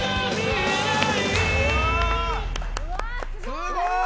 すごーい！